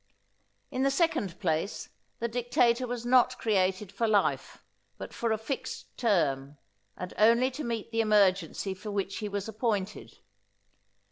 In the second place, the dictator was not created for life, but for a fixed term, and only to meet the emergency for which he was appointed.